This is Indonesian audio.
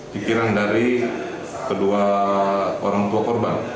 pikiran dari kedua orang tua korban